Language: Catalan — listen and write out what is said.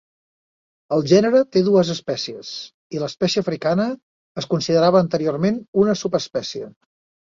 El gènere té dues espècies, i l'espècie africana es considerava anteriorment una subespècie.